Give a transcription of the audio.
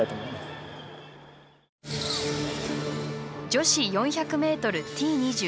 女子４００ｍ、Ｔ２０